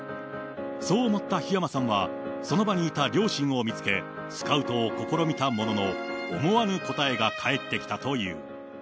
そう思った日山さんは、その場にいた両親を見つけ、スカウトを試みたものの、思わぬ答えが返ってきたという。